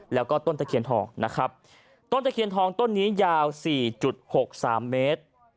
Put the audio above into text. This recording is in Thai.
แล้วก็ต้นตะเคียนทองนะครับต้นตะเคียนทองต้นนี้ยาว๔๖๓เมตร